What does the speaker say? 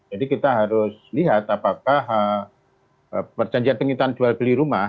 jadi kita harus lihat apakah perjanjian penghitungan jual beli rumah